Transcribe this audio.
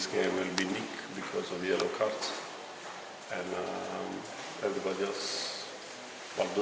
jadi kembali ke kualifikasi pelatihan